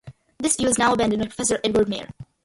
This view is now abandoned by Professor Edward Meyer.